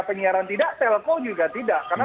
penyiaran tidak telkom juga tidak karena